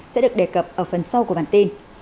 sẽ được đề cập ở phần sau của bản tin